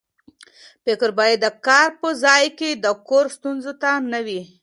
فکر باید د کار په ځای کې د کور ستونزو ته نه وي.